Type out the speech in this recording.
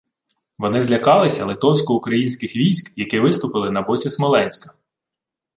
Вони злякалися литовсько-українських військ, які виступили на боці Смоленська;